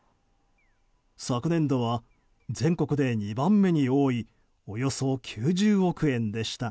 昨年度は全国で２番目に多いおよそ９０億円でした。